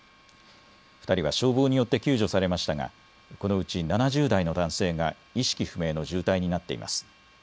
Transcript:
２人は消防によって救助されましたがこのうち７０代の男性が意識不明の重体になっています。